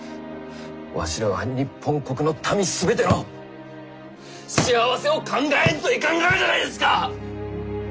わしらは日本国の民すべての幸せを考えんといかんがじゃないですか！